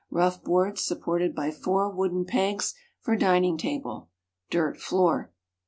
Rough boards supported by four wooden pegs for dining table. Dirt floor.